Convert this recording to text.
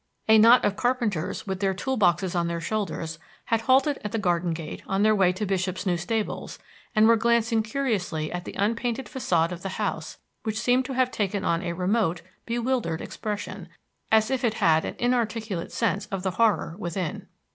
A knot of carpenters, with their tool boxes on their shoulders, had halted at the garden gate on their way to Bishop's new stables, and were glancing curiously at the unpainted façade of the house, which seemed to have taken on a remote, bewildered expression, as if it had an inarticulate sense of the horror within.